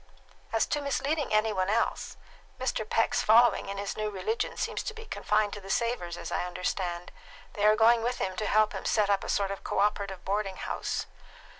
"As to misleading any one else, Mr. Peck's following in his new religion seems to be confined to the Savors, as I understand. They are going with him to help him set up a sort of cooperative boarding house.